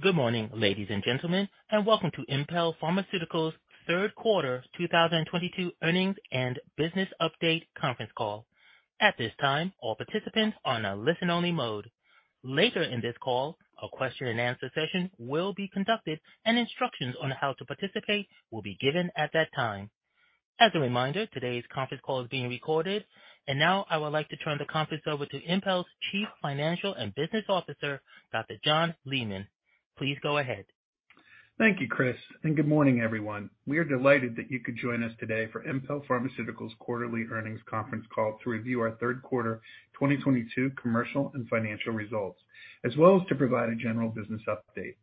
Good morning, ladies and gentlemen, and welcome to Impel Pharmaceuticals third quarter 2022 earnings and business update conference call. At this time, all participants are on a listen-only mode. Later in this call, a question and answer session will be conducted and instructions on how to participate will be given at that time. As a reminder, today's conference call is being recorded. Now I would like to turn the conference over to Impel's Chief Financial and Business Officer, Dr. John Leaman. Please go ahead. Thank you, Chris, and good morning, everyone. We are delighted that you could join us today for Impel Pharmaceuticals quarterly earnings conference call to review our third quarter 2022 commercial and financial results, as well as to provide a general business update.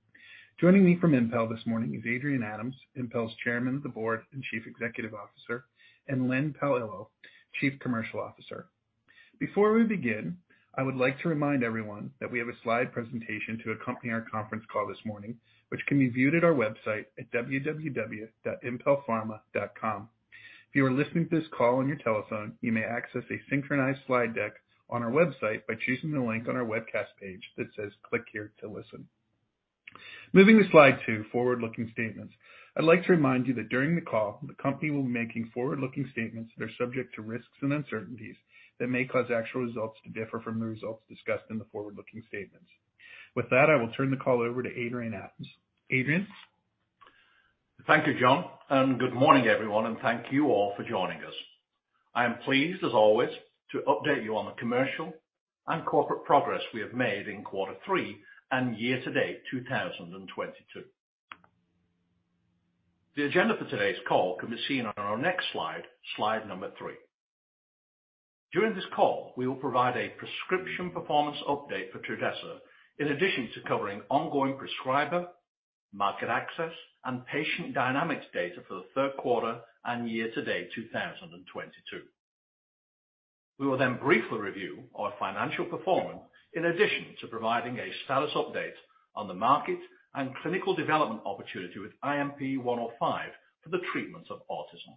Joining me from Impel this morning is Adrian Adams, Impel's Chairman of the Board and Chief Executive Officer, and Len Paolillo, Chief Commercial Officer. Before we begin, I would like to remind everyone that we have a slide presentation to accompany our conference call this morning, which can be viewed at our website at www.impelpharma.com. If you are listening to this call on your telephone, you may access a synchronized slide deck on our website by choosing the link on our webcast page that says Click here to listen. Moving to slide two, forward-looking statements. I'd like to remind you that during the call, the company will be making forward-looking statements that are subject to risks and uncertainties that may cause actual results to differ from the results discussed in the forward-looking statements. With that, I will turn the call over to Adrian Adams. Adrian. Thank you, John, and good morning, everyone, and thank you all for joining us. I am pleased, as always, to update you on the commercial and corporate progress we have made in quarter three and year to date 2022. The agenda for today's call can be seen on our next slide three. During this call, we will provide a prescription performance update for Trudhesa, in addition to covering ongoing prescriber, market access, and patient dynamics data for the third quarter and year to date 2022. We will then briefly review our financial performance in addition to providing a status update on the market and clinical development opportunity with INP105 for the treatment of autism.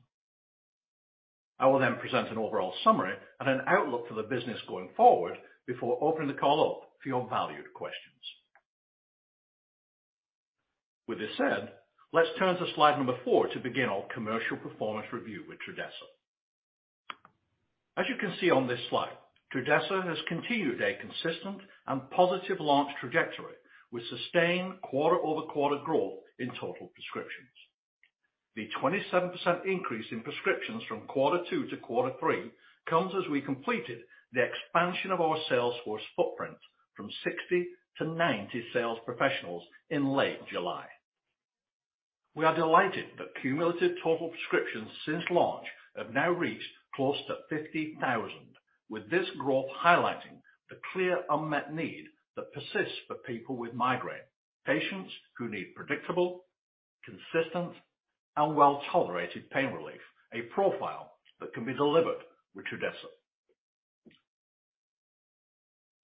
I will then present an overall summary and an outlook for the business going forward before opening the call up for your valued questions. With this said, let's turn to slide four to begin our commercial performance review with Trudhesa. As you can see on this slide, Trudhesa has continued a consistent and positive launch trajectory with sustained quarter-over-quarter growth in total prescriptions. The 27% increase in prescriptions from quarter two to quarter three comes as we completed the expansion of our sales force footprint from 60 to 90 sales professionals in late July. We are delighted that cumulative total prescriptions since launch have now reached close to 50,000, with this growth highlighting the clear unmet need that persists for people with migraine. Patients who need predictable, consistent, and well-tolerated pain relief, a profile that can be delivered with Trudhesa.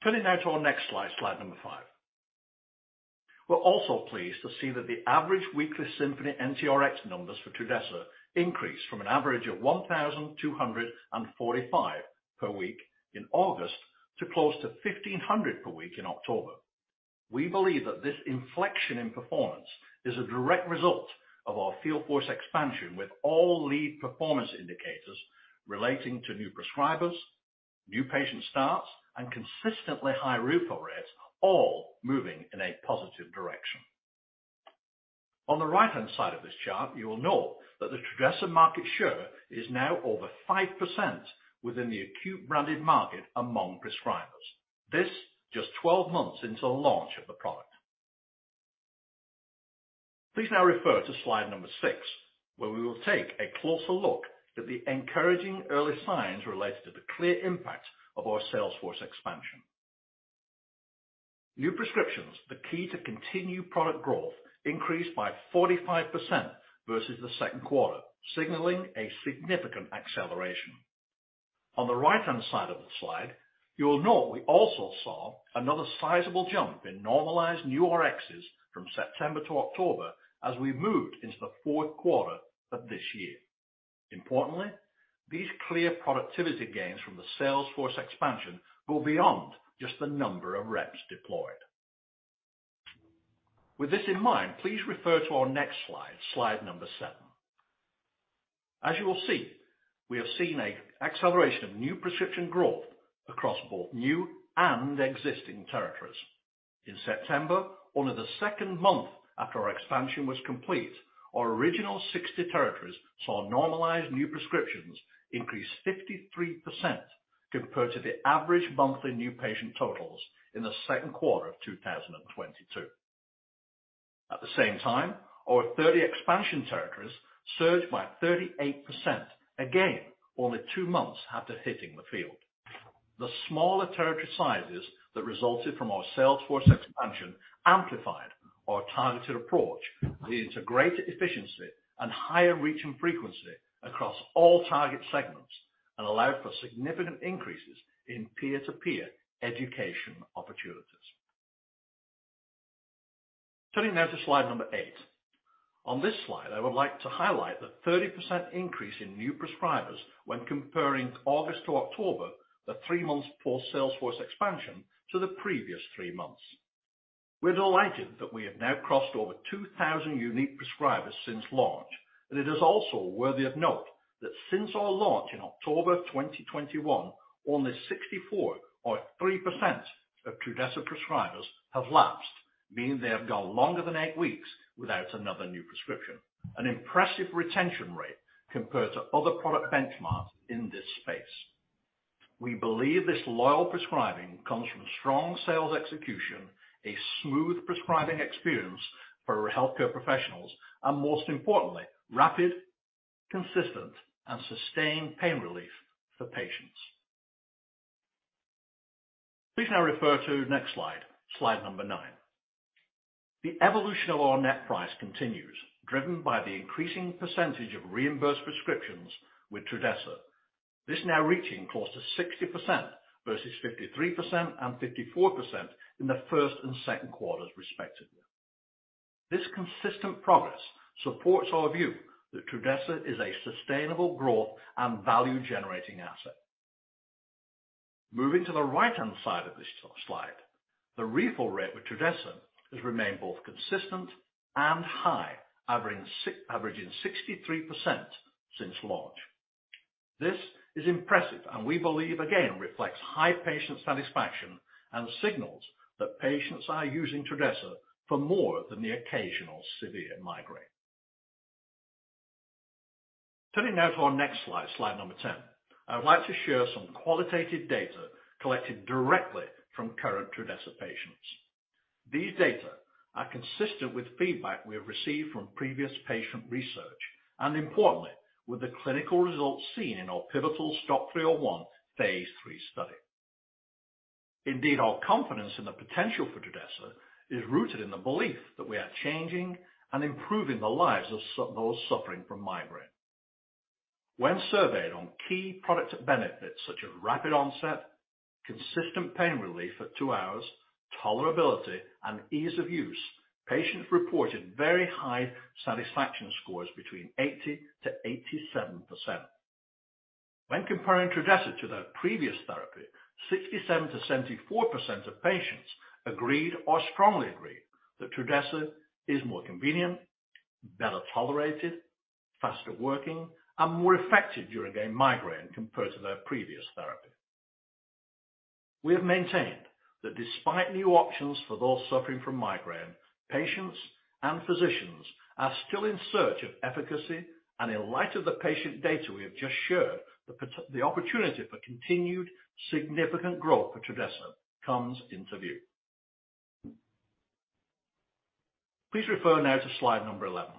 Turning now to our next slide five. We're also pleased to see that the average weekly Symphony NTRX numbers for Trudhesa increased from an average of 1,245 per week in August to close to 1,500 per week in October. We believe that this inflection in performance is a direct result of our field force expansion, with all lead performance indicators relating to new prescribers, new patient starts, and consistently high refill rates all moving in a positive direction. On the right-hand side of this chart, you will note that the Trudhesa market share is now over 5% within the acute branded market among prescribers. This just 12 months into the launch of the product. Please now refer to slide six, where we will take a closer look at the encouraging early signs related to the clear impact of our sales force expansion. New prescriptions, the key to continued product growth, increased by 45% versus the second quarter, signaling a significant acceleration. On the right-hand side of the slide, you will note we also saw another sizable jump in normalized new RXs from September to October as we moved into the fourth quarter of this year. Importantly, these clear productivity gains from the sales force expansion go beyond just the number of reps deployed. With this in mind, please refer to our next slide seven. As you will see, we have seen an acceleration of new prescription growth across both new and existing territories. In September, only the second month after our expansion was complete, our original 60 territories saw normalized new prescriptions increase 53% compared to the average monthly new patient totals in the second quarter of 2022. At the same time, our 30 expansion territories surged by 38%, again only two months after hitting the field. The smaller territory sizes that resulted from our sales force expansion amplified our targeted approach, leading to greater efficiency and higher reach and frequency across all target segments, and allowed for significant increases in peer-to-peer education opportunities. Turning now to slide eight. On this slide, I would like to highlight the 30% increase in new prescribers when comparing August to October, the three months post-sales force expansion to the previous three months. We're delighted that we have now crossed over 2,000 unique prescribers since launch. It is also worthy of note that since our launch in October 2021, only 64 or 3% of Trudhesa prescribers have lapsed, meaning they have gone longer than eight weeks without another new prescription. An impressive retention rate compared to other product benchmarks in this space. We believe this loyal prescribing comes from strong sales execution, a smooth prescribing experience for our healthcare professionals, and most importantly, rapid, consistent, and sustained pain relief for patients. Please now refer to next slide nine. The evolution of our net price continues, driven by the increasing percentage of reimbursed prescriptions with Trudhesa. This now reaching close to 60% versus 53% and 54% in the first and second quarters, respectively. This consistent progress supports our view that Trudhesa is a sustainable growth and value-generating asset. Moving to the right-hand side of this slide. The refill rate with Trudhesa has remained both consistent and high, averaging 63% since launch. This is impressive, and we believe, again, reflects high patient satisfaction and signals that patients are using Trudhesa for more than the occasional severe migraine. Turning now to our next slide number 10. I would like to share some qualitative data collected directly from current Trudhesa patients. These data are consistent with feedback we have received from previous patient research, and importantly, with the clinical results seen in our pivotal STOP-301 phase III study. Indeed, our confidence in the potential for Trudhesa is rooted in the belief that we are changing and improving the lives of those suffering from migraine. When surveyed on key product benefits such as rapid onset, consistent pain relief at two hours, tolerability, and ease of use, patients reported very high satisfaction scores between 80%-87%. When comparing Trudhesa to their previous therapy, 67%-74% of patients agreed or strongly agreed that Trudhesa is more convenient, better tolerated, faster working, and more effective during a migraine compared to their previous therapy. We have maintained that despite new options for those suffering from migraine, patients and physicians are still in search of efficacy, and in light of the patient data we have just shared, the opportunity for continued significant growth for Trudhesa comes into view. Please refer now to slide 11.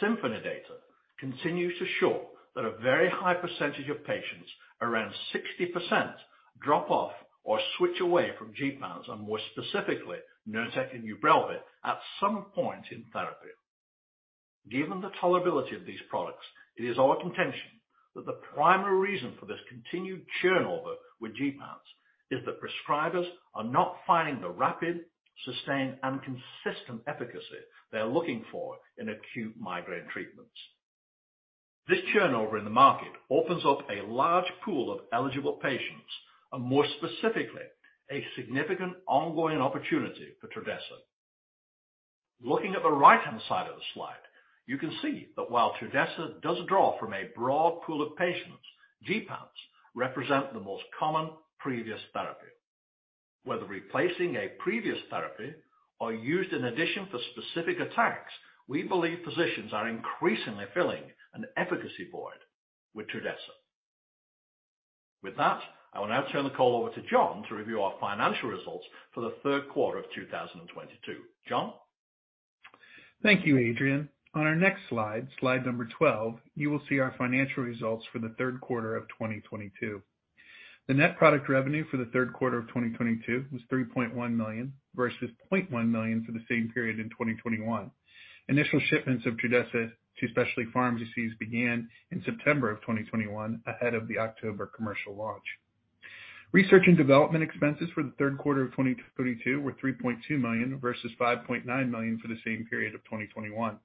Symphony data continues to show that a very high percentage of patients, around 60%, drop off or switch away from gepants, and more specifically, Nurtec and Ubrelvy, at some point in therapy. Given the tolerability of these products, it is our contention that the primary reason for this continued churn over with gepants is that prescribers are not finding the rapid, sustained, and consistent efficacy they are looking for in acute migraine treatments. This churn over in the market opens up a large pool of eligible patients, and more specifically, a significant ongoing opportunity for Trudhesa. Looking at the right-hand side of the slide, you can see that while Trudhesa does draw from a broad pool of patients, gepants represent the most common previous therapy. Whether replacing a previous therapy or used in addition for specific attacks, we believe physicians are increasingly filling an efficacy void with Trudhesa. With that, I will now turn the call over to John to review our financial results for the third quarter of 2022. John? Thank you, Adrian. On our next slide 12, you will see our financial results for the third quarter of 2022. The net product revenue for the third quarter of 2022 was $3.1 million versus $0.1 million for the same period in 2021. Initial shipments of Trudhesa to specialty pharmacies began in September 2021 ahead of the October commercial launch. Research and development expenses for the third quarter of 2022 were $3.2 million versus $5.9 million for the same period of 2021.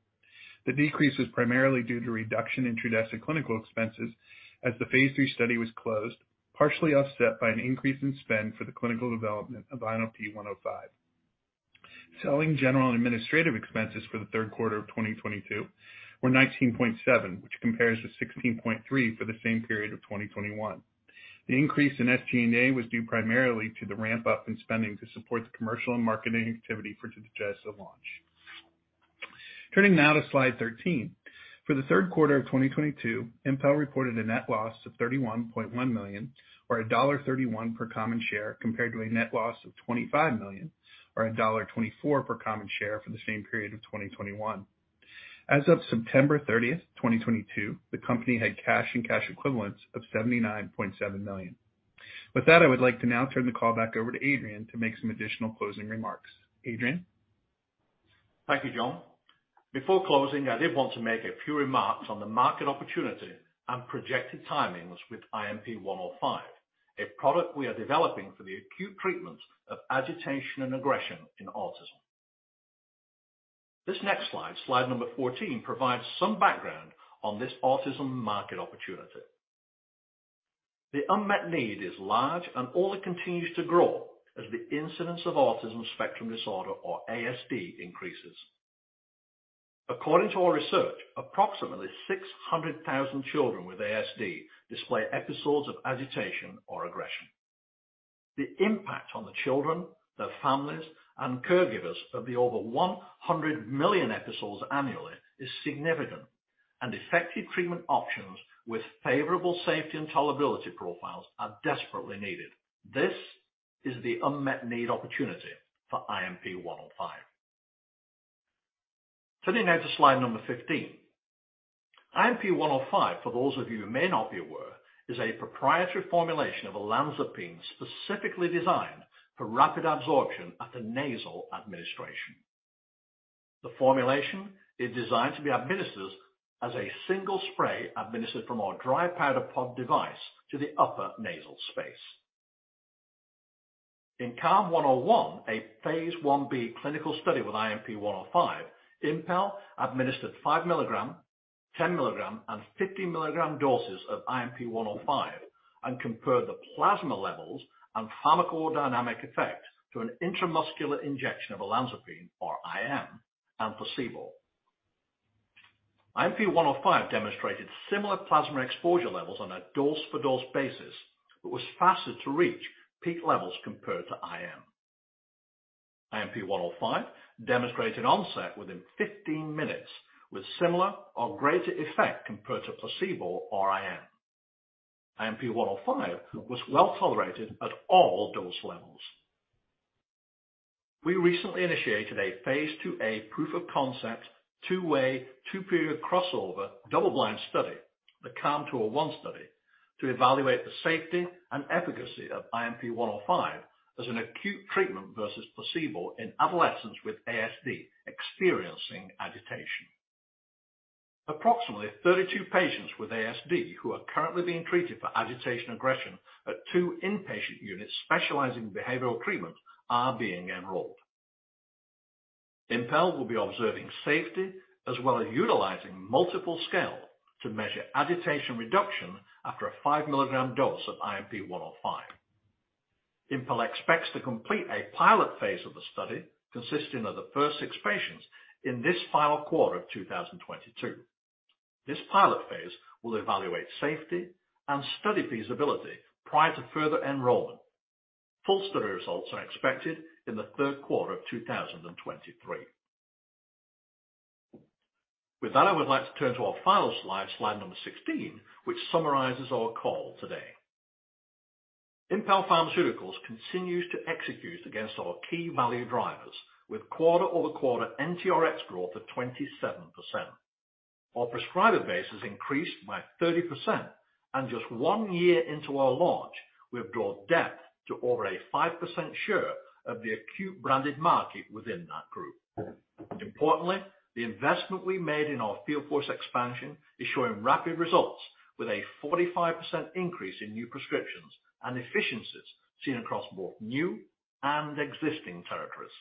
The decrease was primarily due to reduction in Trudhesa clinical expenses as the phase III study was closed, partially offset by an increase in spend for the clinical development of INP105. Selling, general, and administrative expenses for the third quarter of 2022 were $19.7 million, which compares to $16.3 million for the same period of 2021. The increase in SG&A was due primarily to the ramp up in spending to support the commercial and marketing activity for Trudhesa launch. Turning now to slide 13. For the third quarter of 2022, Impel reported a net loss of $31.1 million or $1.31 per common share compared to a net loss of $25 million or $1.24 per common share for the same period of 2021. As of September 30, 2022, the company had cash and cash equivalents of $79.7 million. With that, I would like to now turn the call back over to Adrian to make some additional closing remarks. Adrian? Thank you, John. Before closing, I did want to make a few remarks on the market opportunity and projected timings with IMP-105, a product we are developing for the acute treatment of agitation and aggression in autism. This next slide number 14, provides some background on this autism market opportunity. The unmet need is large and only continues to grow as the incidence of autism spectrum disorder, or ASD, increases. According to our research, approximately 600,000 children with ASD display episodes of agitation or aggression. The impact on the children, their families, and caregivers of the over 100 million episodes annually is significant, and effective treatment options with favorable safety and tolerability profiles are desperately needed. This is the unmet need opportunity for IMP-105. Turning now to slide number 15. INP105, for those of you who may not be aware, is a proprietary formulation of olanzapine specifically designed for rapid absorption after nasal administration. The formulation is designed to be administered as a single spray administered from our dry powder pod device to the upper nasal space. In SNAP 101, a phase I-B clinical study with INP105, Impel administered 5 mg, 10 mg, and 15 mg doses of INP105 and compared the plasma levels and pharmacodynamic effects to an intramuscular injection of olanzapine, or IM, and placebo. INP105 demonstrated similar plasma exposure levels on a dose-for-dose basis, but was faster to reach peak levels compared to IM. INP105 demonstrated onset within 15 minutes with similar or greater effect compared to placebo or IM. INP105 was well-tolerated at all dose levels. We recently initiated a phase II-A proof-of-concept, two-way, two-period crossover double-blind study, the CALM 201 study, to evaluate the safety and efficacy of INP105 as an acute treatment versus placebo in adolescents with ASD experiencing agitation. Approximately 32 patients with ASD who are currently being treated for agitation aggression at two inpatient units specializing in behavioral treatment are being enrolled. Impel will be observing safety as well as utilizing multiple scale to measure agitation reduction after a 5 mg dose of INP105. Impel expects to complete a pilot phase of the study consisting of the first six patients in this final quarter of 2022. This pilot phase will evaluate safety and study feasibility prior to further enrollment. Full study results are expected in the third quarter of 2023. With that, I would like to turn to our final slide number 16, which summarizes our call today. Impel Pharmaceuticals continues to execute against our key value drivers with quarter-over-quarter NTRx growth of 27%. Our prescriber base has increased by 30%. Just one year into our launch, we have drawn depth to over a 5% share of the acute branded market within that group. Importantly, the investment we made in our field force expansion is showing rapid results with a 45% increase in new prescriptions and efficiencies seen across both new and existing territories.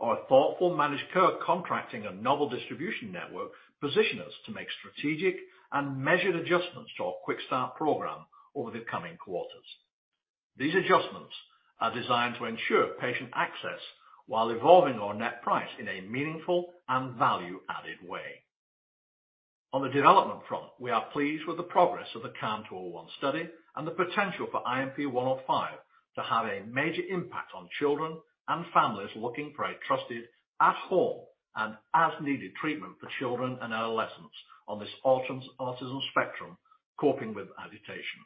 Our thoughtful managed care contracting and novel distribution network position us to make strategic and measured adjustments to our QuickStart program over the coming quarters. These adjustments are designed to ensure patient access while evolving our net price in a meaningful and value-added way. On the development front, we are pleased with the progress of the CALM 201 study and the potential for INP105 to have a major impact on children and families looking for a trusted at-home and as-needed treatment for children and adolescents on the autism spectrum coping with agitation.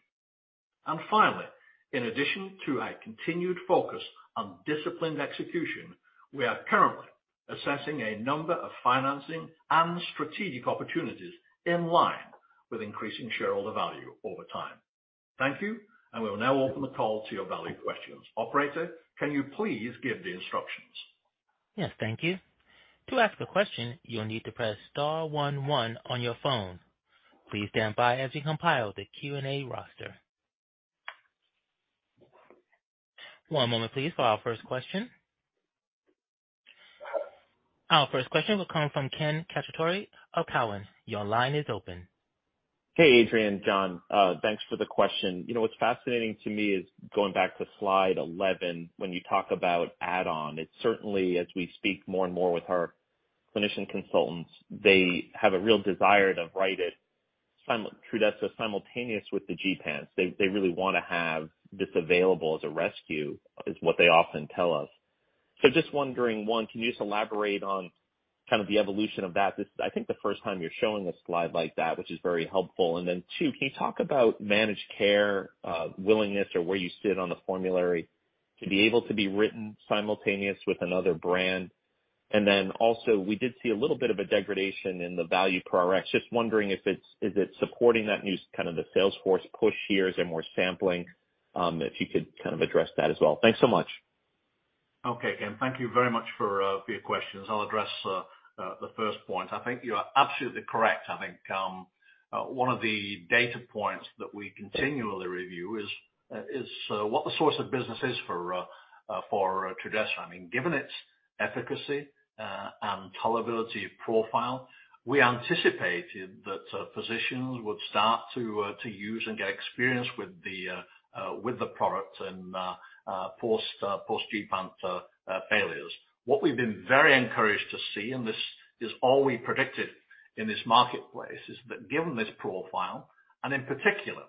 Finally, in addition to our continued focus on disciplined execution, we are currently assessing a number of financing and strategic opportunities in line with increasing shareholder value over time. Thank you, and we will now open the call to your valued questions. Operator, can you please give the instructions? Yes, thank you. To ask a question, you'll need to press star one one on your phone. Please stand by as we compile the Q&A roster. One moment please for our first question. Our first question will come from Ken Cacciatore of Cowen. Your line is open. Hey, Adrian, John. Thanks for the question. You know what's fascinating to me is going back to slide 11 when you talk about add-on. It's certainly as we speak more and more with our clinician consultants, they have a real desire to write it Trudhesa simultaneous with the gepants. They really wanna have this available as a rescue, is what they often tell us. So just wondering, one, can you just elaborate on kind of the evolution of that? This is, I think, the first time you're showing a slide like that, which is very helpful. And then two, can you talk about managed care willingness or where you sit on the formulary to be able to be written simultaneous with another brand? And then also we did see a little bit of a degradation in the value per Rx. Just wondering if it's Is it supporting that new kind of the sales force push here? Is there more sampling? If you could kind of address that as well. Thanks so much. Okay, Ken, thank you very much for your questions. I'll address the first point. I think you are absolutely correct. I think one of the data points that we continually review is what the source of business is for Trudhesa. I mean, given its efficacy and tolerability profile, we anticipated that physicians would start to use and get experience with the product in post gepant failures. What we've been very encouraged to see, and this is all we predicted in this marketplace, is that given this profile, and in particular,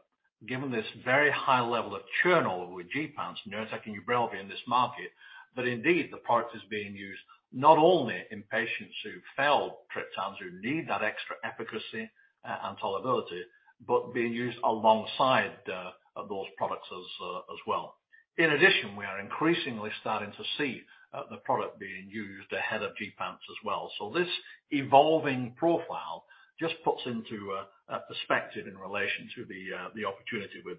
given this very high level of churn over with gepants, Nurtec and Ubrelvy in this market, that indeed, the product is being used not only in patients who failed triptans, who need that extra efficacy and tolerability, but being used alongside the those products as well. In addition, we are increasingly starting to see the product being used ahead of gepants as well. This evolving profile just puts into perspective in relation to the the opportunity with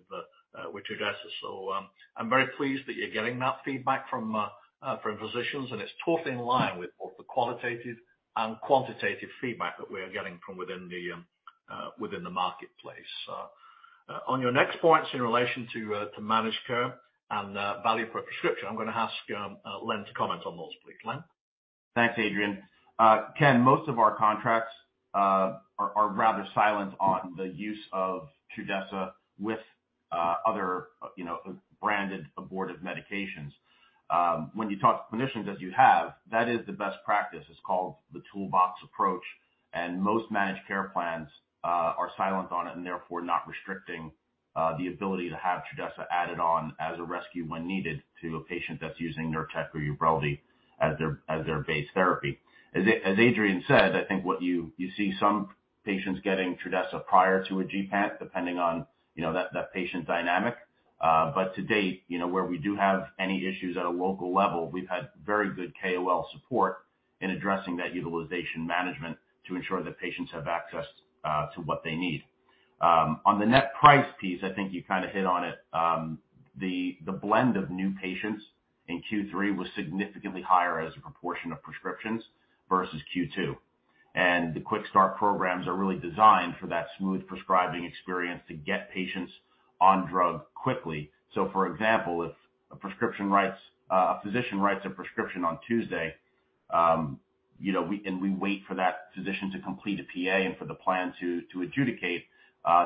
Trudhesa. I'm very pleased that you're getting that feedback from physicians, and it's totally in line with both the qualitative and quantitative feedback that we are getting from within the marketplace. On your next points in relation to managed care and value per prescription, I'm gonna ask Len to comment on those, please. Len? Thanks, Adrian. Ken, most of our contracts are rather silent on the use of Trudhesa with other, you know, branded abortive medications. When you talk to clinicians, as you have, that is the best practice. It's called the toolbox approach, and most managed care plans are silent on it and therefore not restricting the ability to have Trudhesa added on as a rescue when needed to a patient that's using Nurtec or Ubrelvy as their base therapy. As Adrian said, I think what you see some patients getting Trudhesa prior to a gepant, depending on, you know, that patient dynamic. To date, you know, where we do have any issues at a local level, we've had very good KOL support in addressing that utilization management to ensure that patients have access to what they need. On the net price piece, I think you kinda hit on it. The blend of new patients in Q3 was significantly higher as a proportion of prescriptions versus Q2. The QuickStart programs are really designed for that smooth prescribing experience to get patients on drug quickly. For example, if a physician writes a prescription on Tuesday, you know, we wait for that physician to complete a PA and for the plan to adjudicate,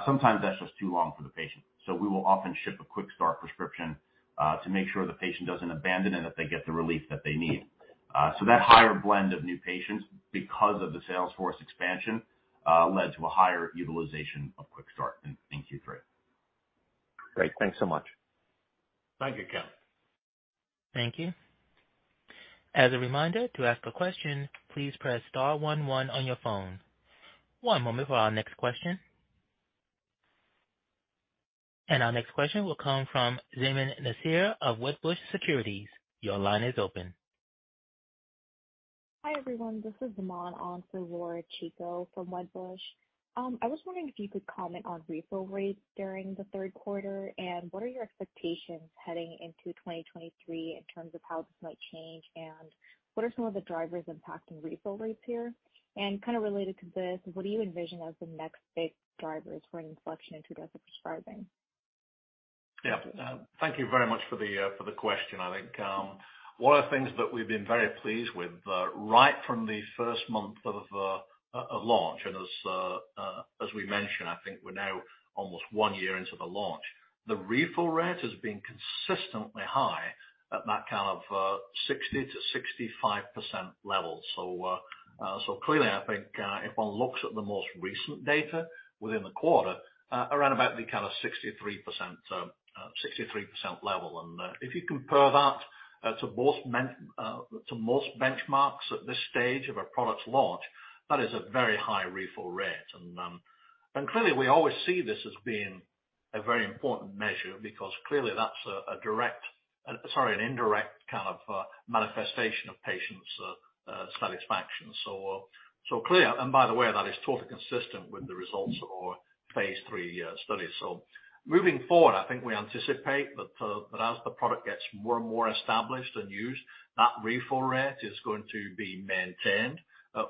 sometimes that's just too long for the patient. We will often ship a QuickStart prescription to make sure the patient doesn't abandon and that they get the relief that they need. That higher blend of new patients because of the sales force expansion led to a higher utilization of QuickStart in Q3. Great. Thanks so much. Thank you, Ken. Thank you. As a reminder, to ask a question, please press star one one on your phone. One moment for our next question. Our next question will come from Zaman Naseer of Wedbush Securities. Your line is open. Hi, everyone. This is [Zaman on Laura Chico] from Wedbush. I was wondering if you could comment on refill rates during the third quarter, and what are your expectations heading into 2023 in terms of how this might change, and what are some of the drivers impacting refill rates here? Kind of related to this, what do you envision as the next big drivers for an inflection in Trudhesa prescribing? Thank you very much for the question. I think one of the things that we've been very pleased with right from the first month of launch, and as we mentioned, I think we're now almost one year into the launch. The refill rate has been consistently high at that kind of 60%-65% level. So clearly, I think if one looks at the most recent data within the quarter, around about the kind of 63% level. If you compare that to most benchmarks at this stage of a product launch, that is a very high refill rate. Clearly, we always see this as being a very important measure because clearly that's an indirect kind of manifestation of patients' satisfaction. Clear. By the way, that is totally consistent with the results of our phase III study. Moving forward, I think we anticipate that as the product gets more and more established and used, that refill rate is going to be maintained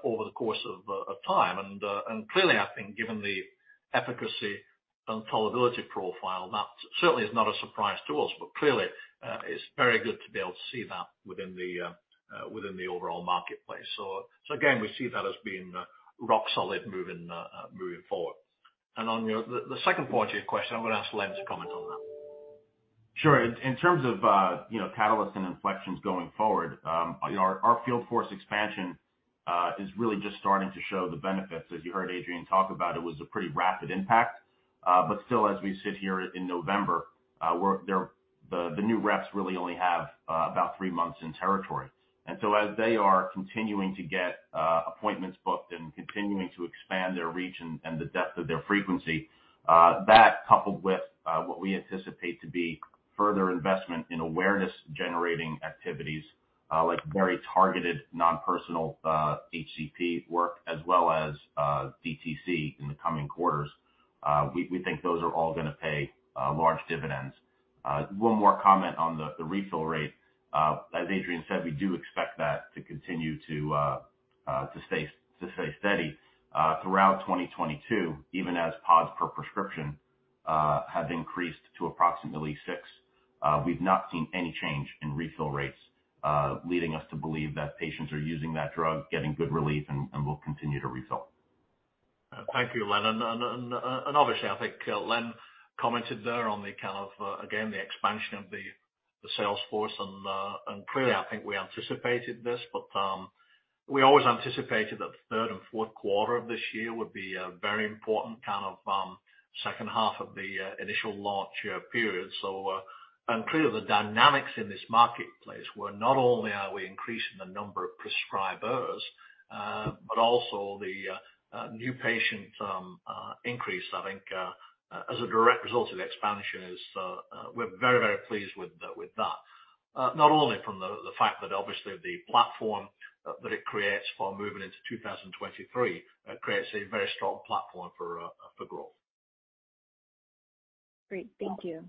over the course of time. Clearly, I think given the efficacy and tolerability profile, that certainly is not a surprise to us. Clearly, it's very good to be able to see that within the overall marketplace. Again, we see that as being rock solid moving forward. On your. The second point to your question, I'm gonna ask Len to comment on that. Sure. In terms of, you know, catalysts and inflections going forward, our field force expansion is really just starting to show the benefits. As you heard Adrian talk about, it was a pretty rapid impact. Still, as we sit here in November, the new reps really only have about three months in territory. As they are continuing to get appointments booked and continuing to expand their reach and the depth of their frequency, that coupled with what we anticipate to be further investment in awareness-generating activities, like very targeted non-personal HCP work as well as DTC in the coming quarters. We think those are all gonna pay large dividends. One more comment on the refill rate. As Adrian said, we do expect that to continue to stay steady throughout 2022, even as PODs per prescription have increased to approximately six. We've not seen any change in refill rates, leading us to believe that patients are using that drug, getting good relief and will continue to refill. Thank you, Len. Obviously I think Len commented there on the kind of again the expansion of the sales force. Clearly I think we anticipated this, but we always anticipated that the third and fourth quarter of this year would be a very important kind of second half of the initial launch period. Clearly the dynamics in this marketplace were not only are we increasing the number of prescribers but also the new patient increase I think as a direct result of the expansion is we're very pleased with that. Not only from the fact that obviously the platform that it creates for moving into 2023 creates a very strong platform for growth. Great. Thank you.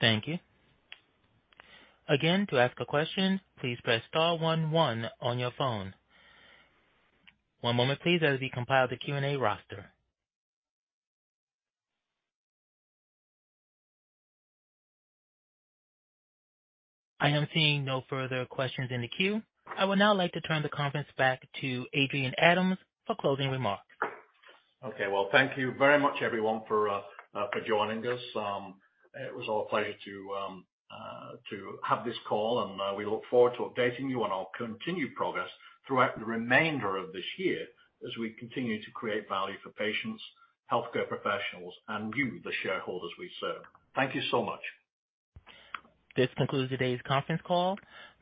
Thank you. Again, to ask a question, please press star one one on your phone. One moment please, as we compile the Q&A roster. I am seeing no further questions in the queue. I would now like to turn the conference back to Adrian Adams for closing remarks. Okay. Well, thank you very much everyone for joining us. It was our pleasure to have this call, and we look forward to updating you on our continued progress throughout the remainder of this year as we continue to create value for patients, healthcare professionals and you, the shareholders we serve. Thank you so much. This concludes today's conference call.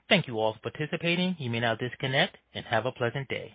Thank you all for participating. You may now disconnect and have a pleasant day.